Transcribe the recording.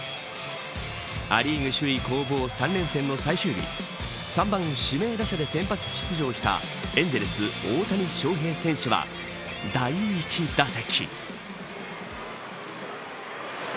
ア・リーグ首位攻防３連戦の最終日３番指名打者で先発出場したエンゼルス、大谷翔平選手は第１打席。